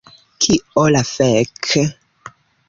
Kio la fek...